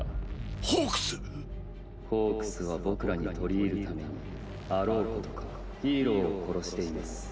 ホークスは僕らに取り入る為にあろうことかヒーローを殺しています。